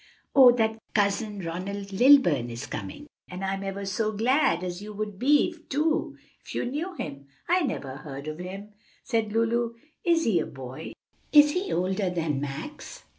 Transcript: "Oh, that Cousin Ronald Lilburn is coming, and I'm ever so glad, as you would be, too, if you knew him." "I never heard of him," said Lulu. "Is he a boy? is he older than Max?"